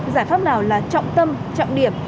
giải pháp nào là trọng tâm trọng điểm